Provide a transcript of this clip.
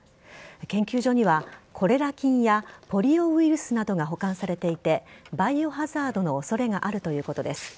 研究所にはコレラ菌やポリオウイルスなどが保管されていてバイオハザードの恐れがあるということです。